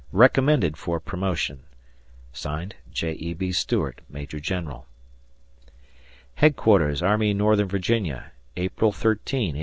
Recommended for promotion. J. E. B. Stuart, Major General. Headquarters Army Northern Virginia, April 13, 1863.